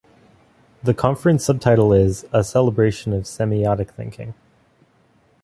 The conference subtitle is "A Celebration of Semiotic Thinking".